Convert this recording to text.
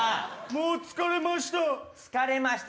もう疲れました